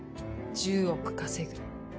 １０億稼ぐ。